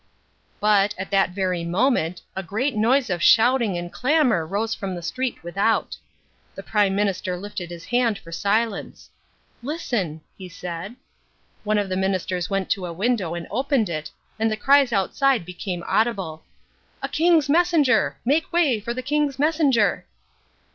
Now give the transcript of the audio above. But, at that very moment, a great noise of shouting and clamour rose from the street without. The Prime Minister lifted his hand for silence. "Listen," he said. One of the Ministers went to a window and opened it, and the cries outside became audible. "A King's Messenger! Make way for the King's Messenger!"